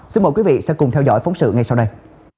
xin mời quý vị sẽ cùng theo dõi phóng sự ngay sau đây